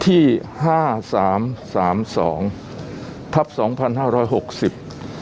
ที่ห้าสามสามสองทับสองพันห้าร้อยหกสิบ